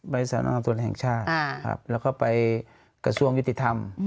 ไปตำรวจแห่งชาติแล้วก็ไปกระทรวงยุติธรรม